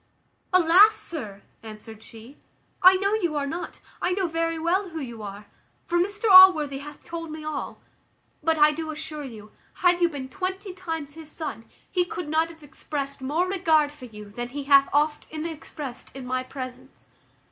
"Alas! sir," answered she, "I know you are not, I know very well who you are; for Mr Allworthy hath told me all; but I do assure you, had you been twenty times his son, he could not have expressed more regard for you than he hath often expressed in my presence.